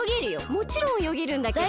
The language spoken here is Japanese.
もちろんおよげるんだけど。